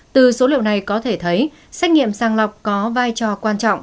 từ số liệu này có thể thấy xét nghiệm sàng lọc có vai trò quan trọng